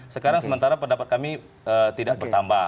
sekarang sementara pendapat kami tidak bertambah